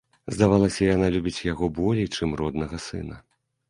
Здавалася, яна любіць яго болей, чымся роднага сына.